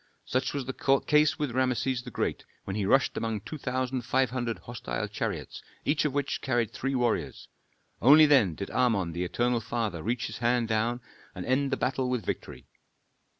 Such was the case with Rameses the Great when he rushed among two thousand five hundred hostile chariots, each of which carried three warriors. Only then did Amon the eternal father reach his hand down and end the battle with victory.